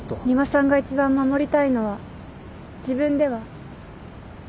仁和さんが一番守りたいのは自分では？